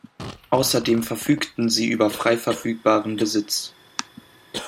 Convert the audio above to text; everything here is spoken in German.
Außerdem verfügten sie über frei verfügbaren Besitz.